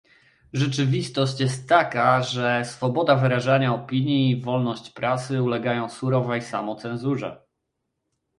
Rzeczywistość jest taka, że swoboda wyrażania opinii i wolność prasy ulegają surowej samocenzurze